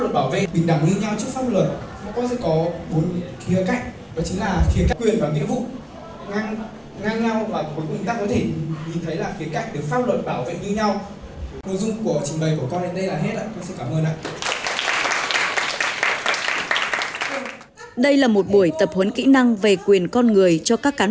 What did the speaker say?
bảo vệ bình đẳng như nhau trước pháp luật các con sẽ có bốn khía cạnh